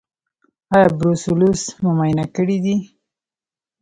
ایا بروسلوز مو معاینه کړی دی؟